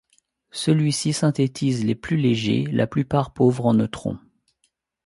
Celui-ci synthétise les plus légers, la plupart pauvres en neutrons.